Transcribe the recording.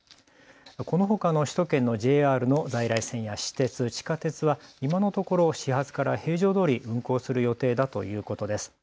このほかの首都圏のＪＲの在来線や私鉄、地下鉄は今のところ始発から平常どおり運行する予定だということです。